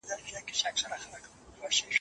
مسکين ته د کلا د سپو سلا يوه ده.